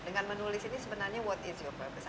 dengan menulis ini sebenarnya what is your produce